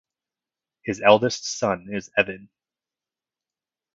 His eldest son is Evan.